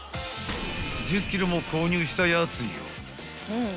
［１０ｋｇも購入したやつよ］